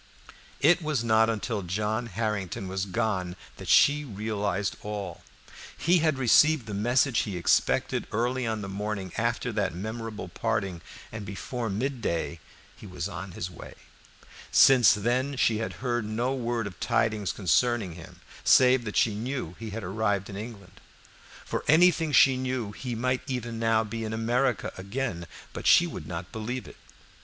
It was not until John Harrington was gone that she realized all. He had received the message he expected early on the morning after that memorable parting, and before mid day he was on his way. Since then she had heard no word of tidings concerning him, save that she knew he had arrived in England. For anything she knew he might even now be in America again, but she would not believe it.